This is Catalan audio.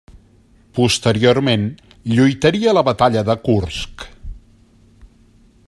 Posteriorment lluitaria a la batalla de Kursk.